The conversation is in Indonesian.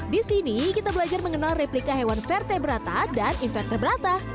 di sini kita belajar mengenal replika hewan fertebrata dan invertebrata